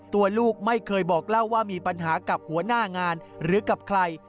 ตัวลูกไม่เคยบอกเล่าว่ามีปัญหากับหัวหน้างานหรือกับใคร